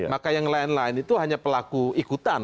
maka yang lain lain itu hanya pelaku ikutan